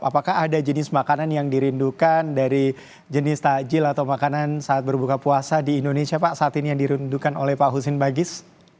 apakah ada jenis makanan yang dirindukan dari jenis takjil atau makanan saat berbuka puasa di indonesia pak saat ini yang dirindukan oleh pak husin bagis